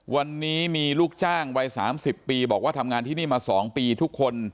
วันนี้มีลูกจ้างวัย๓๐ปีบอกว่าทำงานที่นี่มา๒ปีทุกคน